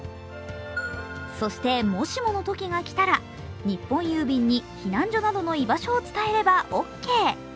そして、もしものときが来たら日本郵政に避難所などの居場所を伝えればオーケー。